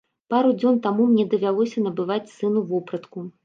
Пару дзён таму мне давялося набываць сыну вопратку.